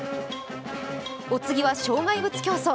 お次は障害物競走。